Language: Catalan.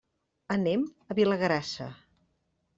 Anem a Vilagrassa.